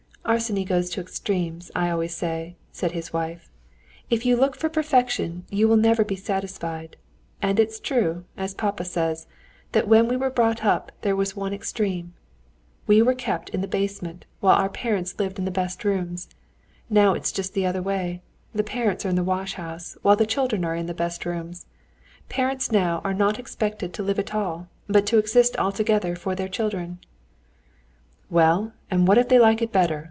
"Arseny goes to extremes, I always say," said his wife. "If you look for perfection, you will never be satisfied. And it's true, as papa says,—that when we were brought up there was one extreme—we were kept in the basement, while our parents lived in the best rooms; now it's just the other way—the parents are in the wash house, while the children are in the best rooms. Parents now are not expected to live at all, but to exist altogether for their children." "Well, what if they like it better?"